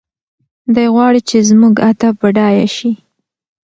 دی غواړي چې زموږ ادب بډایه شي.